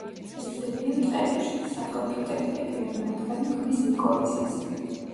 იზრდებიან ტყეებში, საპროფიტებია, ბევრი მათგანი ქმნის მიკორიზას.